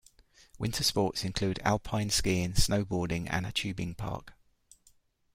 Winter sports include alpine skiing, snowboarding and a tubing park.